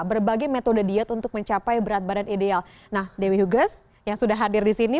berbagai metode diet untuk mencapai berat badan ideal nah dewi huges yang sudah hadir di sini